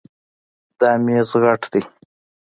دا میز غټ ده